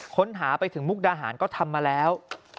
ค้นหาไปถึงมุกดาหารก็ทำมาแล้ว